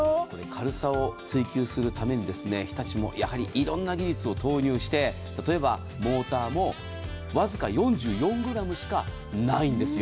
軽さを追求するために日立もいろんな技術を投入して例えばモーターもわずか４４ｇしかないんです。